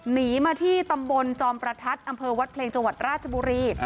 หนีมาที่ตำบลจอมประทัดอำเภอวัดเพลงจังหวัดราชบุรี